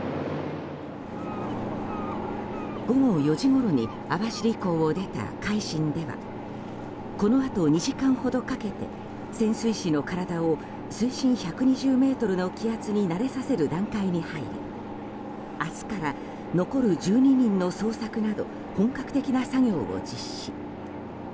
午後４時ごろに網走港を出た「海進」ではこのあと２時間ほどかけて潜水士の体を水深１２０ｍの気圧に慣れさせる段階に入り明日から残る１２人の捜索など本格的な作業を実施。